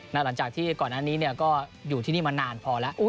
หลังจากที่ก่อนอันนี้ก็อยู่ที่นี่มานานพอแล้ว